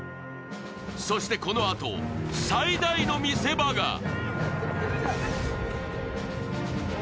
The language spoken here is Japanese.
そしてこのあと、最大の見せ場が。